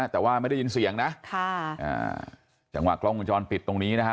แต่ว่าไม่ได้ยินเสียงนะค่ะอ่าจังหวะกล้องวงจรปิดตรงนี้นะฮะ